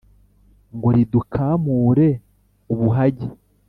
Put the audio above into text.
Ngo ridukamure ubuhage